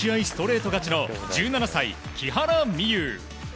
ストレート勝ちの１７歳、木原美悠。